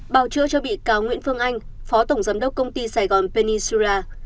bào chữa cho bị cáo nguyễn phương anh phó tổng giám đốc công ty sài gòn pennysura